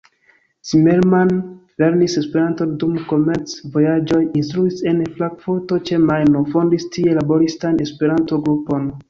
Zimmermann lernis Esperanton dum komerc-vojaĝoj, instruis en Frankfurto ĉe Majno, fondis tie laboristan Esperanto-grupon.